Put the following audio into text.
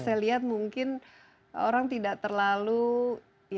saya lihat mungkin orang tidak terlalu ya